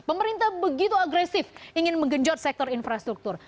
pemerintah begitu agresif ingin menggenjot sektor infrastruktur